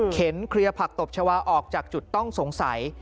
เคลียร์ผักตบชาวาออกจากจุดต้องสงสัย